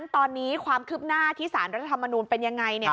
ตอนนี้ความคืบหน้าที่สารรัฐธรรมนูลเป็นยังไง